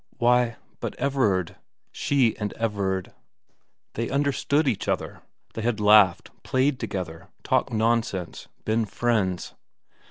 Why, but Everard she and Everard ; they understood each 216 xx VERA 217 other ; they had laughed, played together, talked nonsense, been friends.